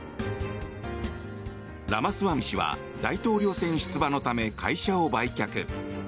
ラマスワミ氏は大統領選出馬のため会社を売却。